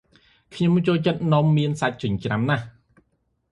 ខ្ញុំចូលចិត្តនំមានសាច់ចិញ្ច្រាំណាស់ ។